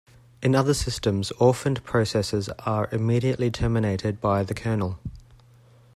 In other systems orphaned processes are immediately terminated by the kernel.